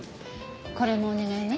これもお願いね。